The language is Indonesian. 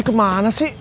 ardi kemana sih